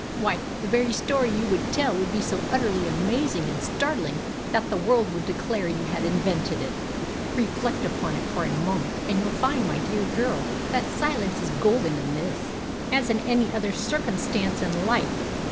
"Why, the very story you would tell would be so utterly amazing and startling that the world would declare you had invented it. Reflect upon it for a moment, and you'll find, my dear girl, that silence is golden in this, as in any other circumstance in life."